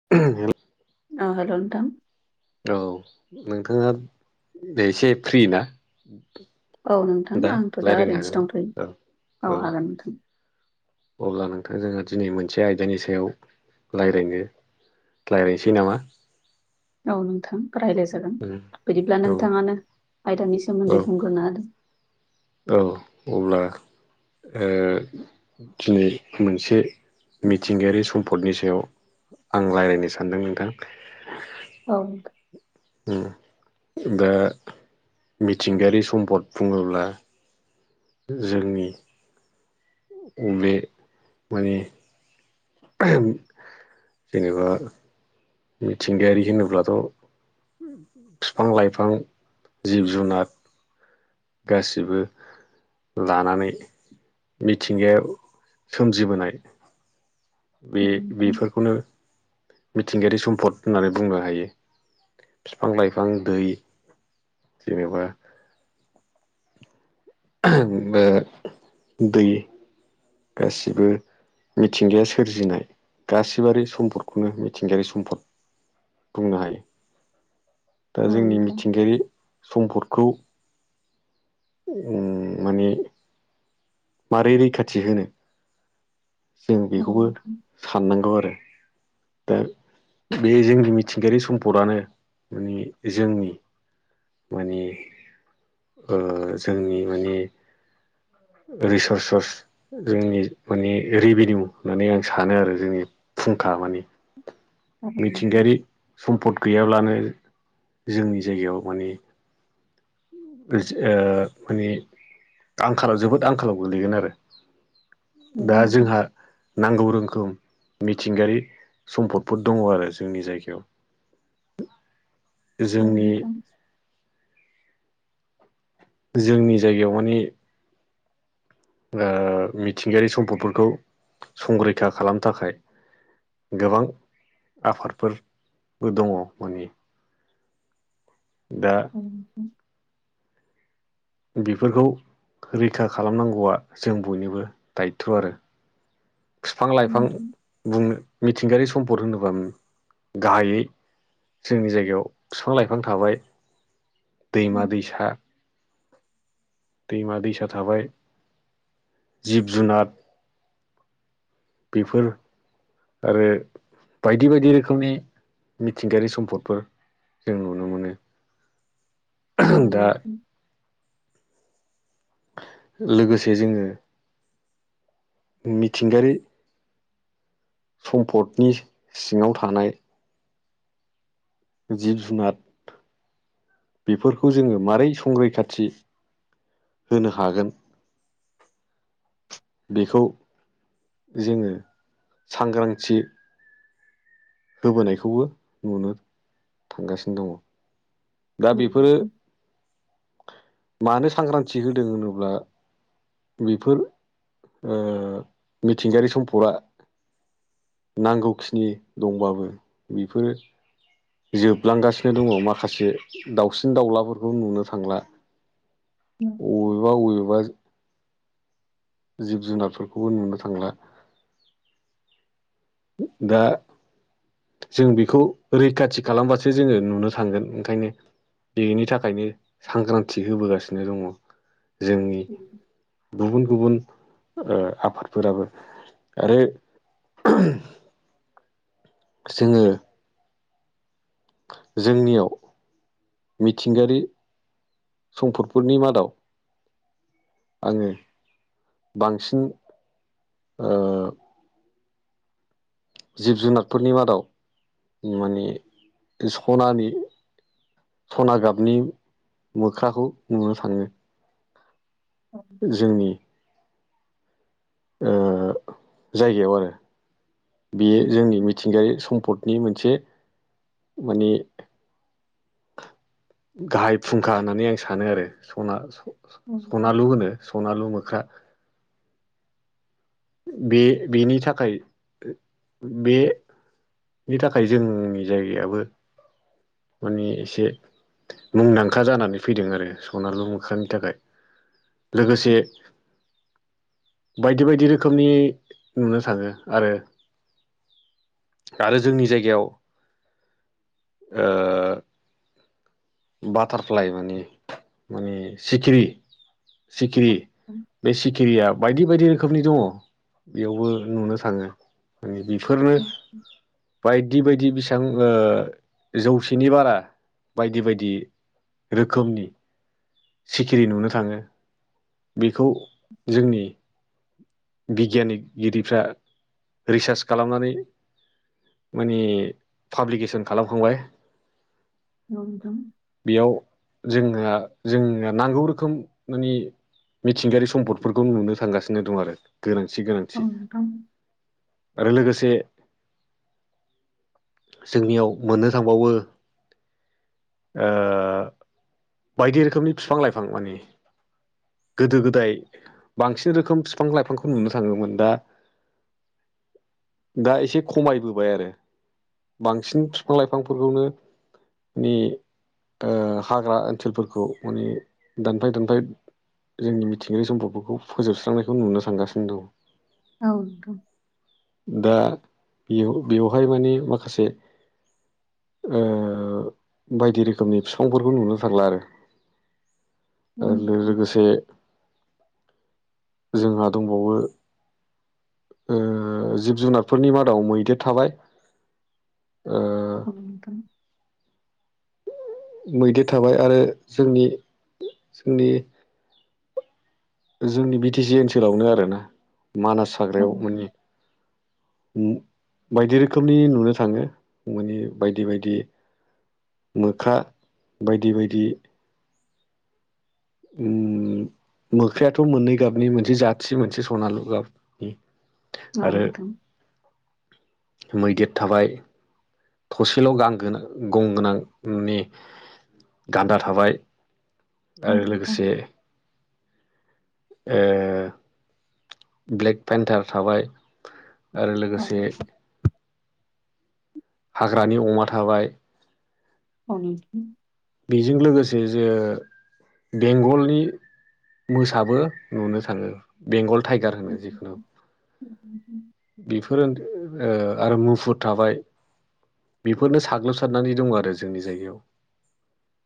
[inaudible] अ हेल नोंथां औ नोंथाङा एसे फ्रि ना? औ नोंथां आंथ दा रायज्लायनो ओरैनोसो हागोन औ दंथयो औ हागोन नोंथां अब्ला नोंथां जोंहा दिनै मोनसे आयदानि सायाव रायज्लायनो रायलायनोसै नामा? औ नोंथां रायलाय जागोन। बिदिब्ला औ नोंथाङानो आयदानि औ सोमोन्दै बुंग्रोना होदो। औ अब्ला ओ दिनै मोनसे मिथिंगायारि सम्पदनि सायाव आं रायलायनो सानदों नोंथां। अ। ओम दा मिथिंगायारि सम्पद बुङोब्ला जोंनि बे माने जेनेबा मिथिंगायारि होनोब्लाथ' बिफां लाइफां जिब जुनार गासिबो लानानै मिथिंगायाव सोमजिबोनाय बे नोंथां बेफोरखौनो मिथिंगायारि सम्पद होननानै बुंनो हायो। बिफां लाइफां दै जेनेबा बे दै गासिबो मिथिंगाया सोरजिनाय गासिबोयारि सम्पदखौनो मिथिंगायारि सम्पद बुंनो हायो। दा औ जोंनि नोंथां मिथिंगायारि सम्पदखौ उम माने माबारै रैखाथि होनो जों औ बेखौबो नोंथां साननांगौ आरो। [unintelligible] बे जोंनि मिथिंगायारि सम्पदानो बे जोंनि माने ओ जोंनि माने रिसर्ससर्स जोंनि माने रेभिनिउ होननानै आं सानो आरो जोंनि फुंखा माने औ नोंथां मिथिंगायारि सम्पद गैयाब्लानो जोंनि जायगायाव माने माने आंखालाव जोबोद आंखालाव गोलैगोन आरो। दा जोंहा नांगौ रोखोम मिथिंगायारि सम्फदफोर दङ आरो जोंनि जायगायाव। [inaudible] औ जोंनि नोंथां। जोंनि जायगायाव माने ओ मिथिंगायारि सम्पदफोरखौ संरैखा खालामनो थाखाय गोबां आफादफोरबो दङ माने दा अ' बेफोरखौ रैखा खालामनांगौआ जों बयनिबो दायथ' आरो। बिफां - लाइफां बुंनो मिथिंगायारि सम्पद होनोब्ला गाहायै जोंनि जायगायाव बिफां - लाइफां थाबाय औ नोंथां औ दैमा - दैसा दैमा दैसा थाबाय जिब जुनाद बिफोर आरो बायदि बायदि रोखोमनि मिथिंगायारि सम्फदफोर जों नुनो मोनो। औ दा नोंथां। लोगोसे जोङो मिथिंगायारि सम्पदनि सिङाव थानाय जिब जुनाद बेफोरखौ जोङो मारोरै संरैखाथि होनो हागोन। बेखौ जोङो सांग्रांथि होबोनायखौबो नुनो थांगासिनो दङ। दा औ नोंथां औ बेफोरो मानो सांग्रांथि होदों होनोब्ला बेफोर ओ मिथिंगायारि सम्पदा नांगौखिनि दंबाबो बेफोरो जोबलांगासिनो दङ माखासे दाावसिन - दाउलाफोरखौ नुनो थांला। अबेबा - अबेबा जिब - जुनारफोरखौबो नुनो थांला। दा जों बेखौ रैखाथि खालामबासो जोङो नुनो थांगोन ओंखायनो बेनि थाखायनो सांग्रांथि होबोगासिनो दङ जोंनि गुबुन - गुबुन ओ आफादफोराबो आरो जोंङो जोंनियाव मिथिंगायारि समपदफोरनि मादाव आंङो बांसिन ओ जिब जुनारफोरनि मादाव माने सनानि सना गाबनि मोख्राखौ नुनो थाङो। जोंनि ओ जायगायाव आरो बेयो जोंनि मि नोंथां मिथिंगायारि सम्पदनि मोनसे माने गाहाय फुंखा होननानै आं सानो आरोना सना औ नोंथां औ नोंथां औ नोंथां औ नोंथां औ नोंथां औ नोंथां औ नोंथां औ सनालु होनो सनालु मोख्रा। बे बेनि थाखाय बे बेनि थाखाय जोंनि जायगायाबो माने एसे मुंदांखा जानानै फैदों आरो सनालु मोखनि थाखाय। लोगोसे बायदि - बायदि रोखोमनि नुनो थाङो आरो आरो जोंनि जायगायाव बाटारफ्लाइ माने माने सिखिरि सिखिरि बे सिखिरिया बायदि- बायदि रोखोमनि दङ बेयावबो नुनो थाङो। ओं बेफोरनो बायदि बायदि बेसां जौसेनि बारा बायदि बायदि। इदि रोखोमनि सिखिरि नुनो थाङो। बेखौ जोंनि बिगियानिगगिरिफ्रा रिसार्च खालामनानै माने पाब्लिकेसन खालामखांबाय। औ नोंथां। बेयाव जोंहा जोंनो नांगौ रोखोम मानि मिथिंगायारि सम्पदफोरखौ नुनो थांगासिनो दं आरो गोनांथि गोनांथि। आरो लोगोसे जोंनियाव मोननो थांबावो। ओ बायदि रोखोमनि बिफां - लाइफां माने गोदो - गोदाय बांसिन रोखोम बिफां - लाइफांखौ नुनो थाङोमोन दा दा एसे खमायबोबाय आरो। बांसिन बिफां - लाइफांफोरखौनो मे ओ हाग्रा ओनसोलफोरखौ माने दानफाय - दानफाय जोंनि मिथिंगायारि सम्पदफोरखौ फोजोबस्रांनायखौ नुनो थांगासिनो दङ। औ नोंथां। दा बेयाव बेवहाय माने माखासे ओ बायदि रोखोमनि बिफांफोरखौ नुनो थांला आरो। आरो लोगोसे जोंहा दंबावो ओ जिब जुनारफोरनि मादाव मैदेर थाबाय। [unintelligible] मैदेर थाबाय आरो जोंनि जोंनि जोंनि बि टि सि ओनसोलावनो आरोना मानास हाग्रायाव मोनो। ओम बायदि रोखोमनि नुनो थाङो माने बायदि बायदि। मोखा बायदि बायदि। उम मोख्रायाथ' मोननै गाबनि मोनसे जाथि मोनसे सनालु गाब आरो नोंथां मैदेर थाबाय। थसेल' गां गोनां गं गोनां नि गान्दा थाबाय। औ आरो नोंथां लोगोसे। ए ब्लेक पेन्टार थाबाय। आरो लोगोसे हाग्रानि अमा थाबाय। औ नोंथां। बेजों लोगोसे जे बेंगलनि मोसाबो नुनो थाङो बेंगल टाइगार होनो जिखुनु। [unintelligible] बेफोर ओ आरो मुफुर थाबाय। बेफोरनो साग्लोबसारनानै दङ आरो जोंनि जायगायाव।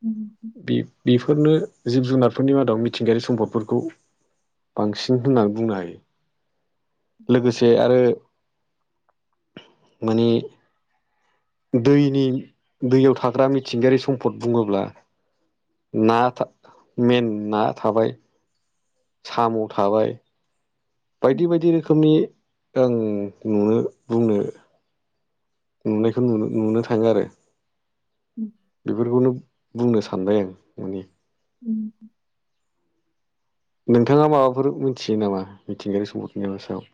औ नोंथां। बे बेफोरनो जिब जुनारफोरनि मादाव मिथिंगायारि सम्पदफोरखौ बांसिन होनना बुंनो हायो लोगोसे आरो माने दैनि दैयाव थाग्रा मिथिंगायारि सम्पद बुङोब्ला ना मेन ना थाबाय। साम' थाबाय। बायदि बायदि रोखोमनि ओं नुनो बुंनो नुनायखौ नुनो थाङो आरो। उम बेफोरखौनो बुंनो सानबाय आं माने उम नोंथाङा माबाफोर मिथियो नामा मिथिंगायारि सम्पफोरनि सायाव?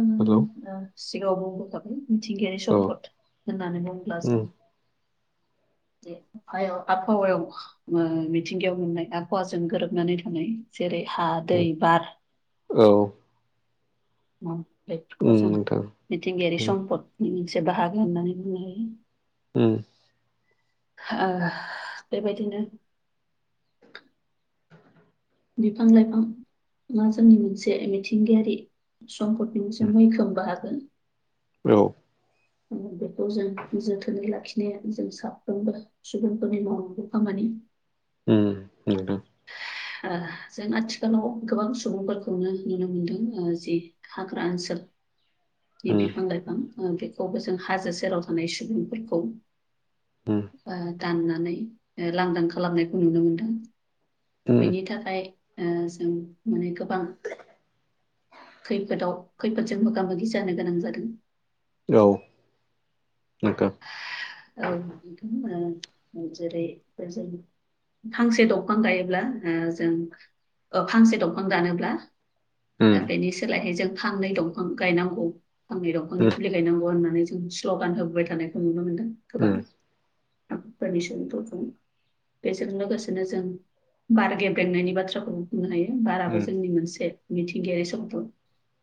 ओम हेलौ ओं सिगाङाव बुंबाय थाबाय मिथिंगायारि औ सम्पद।। होननानै बुंब्लास उम दे फायाव आबहावा याव ओम मिथिंगायाव मोननाय आबहावाजों गोरोबनानै थानाय जेरै हा उम दै बार। औ ओं बेफोरखौ उम जों नोंथां मिथिंगायारि उम सम्पदनि मोनसे बाहागो होननानै बुंनो हायो। उम बेबायदिनो बिफां लाइफाङा जोंनि मोनसे मिथिंगायारि। सम्पदनि मोनसे मैखोम बाहागो। औ ओं बेखौ जों जोथोनै लाखिनो ने नि जों साप्रोमबो सुबुं फ्रोनि मावनांगौ खामानि। ओम नुदों। ओ जों आथिखालाव गोबां सुबुंफोरखौनो नुनो मोनदों जि हाग्रा ओनसोल बि उम बिफां लाइफां बेखौबो जों हाजो सेराव थानाय सुबुंफोरखौ उम बा दाननानै लांदां खालामनायखौ नुनो मोनदों। उम बेनि थाखाय ओ जों माने गोबां खैफोदाव खैफोदजों मोगा मोगि जानो गोनां जादों। औ नोंथां औ नोंथां ओ जेरै बे जों फांसे दंफां गायोब्ला जों फांसे दंफां दानोब्ला ओ उम बेनि सोलायहाय जों फांनै दंफां गायनांगौ। फांनै दंफांनि उम फुलि गायनांगौ होननानै जों स्ल'गान होबाय थानायखौ नुनो मोनदों गोबां। उम आदफोरनि सुबुंफोर दं बेजों लोगोसेनो जों बार गेब बेेंनायनि बाथ्राखौ बुंनो हायो बाराबो उम जोंनि मोनसे मिथिंगायारि सामप्थ।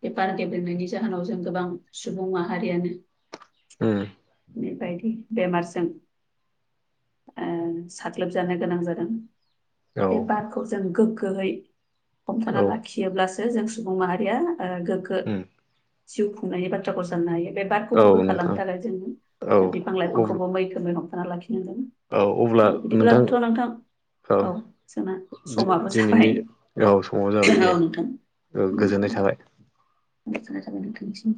बेफार गेब्लेनायनि जाहोनाव जों गोबां सुबुं माहारियानो। उम बेबायदि बेमारजों। ओ साग्लोबजानो गोनां जादों। औ बे बारखौ जों गोग्गोयै। हमथाना औ लाखियोब्लासो जों सुबुं माहारियाओ गोग्गो उम जिउ खुंनायनि बाथ्राखौ साननो हायो बे बारखौ औ भुगो नोंथां खालामनो थाखाय जोङो औ बिफां अब्ल लाइफांखौबो मैखोमै हमथाना लाखिनांगोन।। अब्ला औ बिदिखौ नोंथां लाबोथ' लांथां औ सा समाबो दि-दिनैनि जाबाय औ समाव जाबाय दे औ नोंथां। गोजोननाय थाबाय। गोजोनाय थाबाय नोंथांनि सिम।